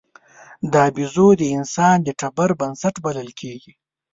دا بیزو د انسان د ټبر بنسټ بلل کېږي.